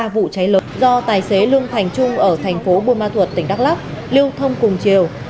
ba vụ cháy lớn do tài xế lương thành trung ở thành phố buôn ma thuột tỉnh đắk lắc lưu thông cùng chiều